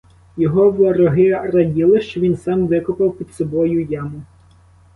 Його вороги раділи, що він сам викопав під собою яму.